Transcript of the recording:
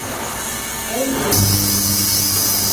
Ew rûnişt